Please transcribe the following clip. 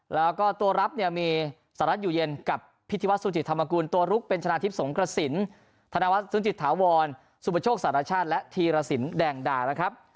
แล้วก็ตัวรับเนี่ยมีสหรัฐอยู่เย็นกับพิธีวัฒสุจิตธรรมกุลตัวลุกเป็นชนะทิพย์สงกระสินธนวัฒนซึ้งจิตถาวรสุปโชคสารชาติและธีรสินแดงดานะครับ